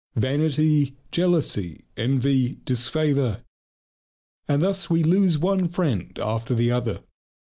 Vanity, jealousy, envy, disfavour. And thus we lose one friend after the other.